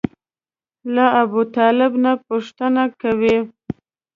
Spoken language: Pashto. له ابوطالب نه پوښتنه کوي.